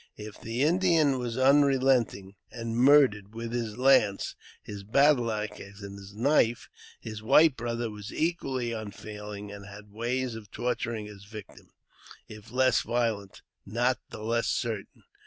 If the Indian was unrelenting, and murdered with his lance, his battle axe, and his knife, his white brother was equally unfeeling, and had ways of torturing his victim, if less violent, not the less certain.